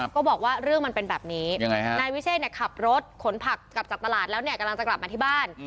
ก็บอกว่าเรื่องมันเป็นแบบนี้นายวิเชษขับรถขนผักกลับจากตลาดแล้วเนี่ยกำลังจะกลับมาที่บ้าน